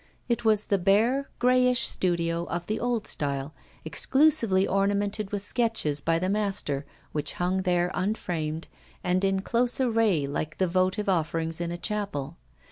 It was the bare, greyish studio of the old style, exclusively ornamented with sketches by the master, which hung there unframed, and in close array like the votive offerings in a chapel.